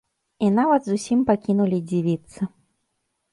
І нават зусім пакінулі дзівіцца.